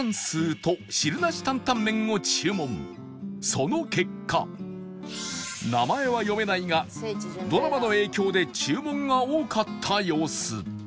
その結果名前は読めないがドラマの影響で注文が多かった様子